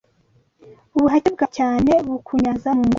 ubuhake bwa cyane bukunyaza mu ngoro